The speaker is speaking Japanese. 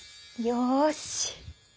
よし！